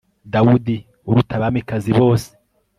dawudi, uruta abamikazi bose